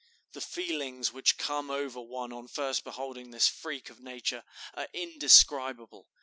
The feelings which come over one on first beholding this freak of nature are indescribable.